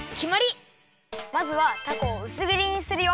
まずはたこをうすぎりにするよ。